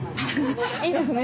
いいですね